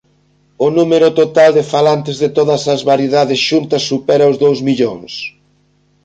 O número total de falantes de todas as variedades xuntas supera os dous millóns.